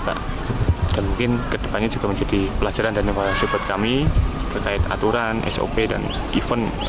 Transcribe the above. dan mungkin kedepannya juga menjadi pelajaran dan nasibat kami terkait aturan sop dan event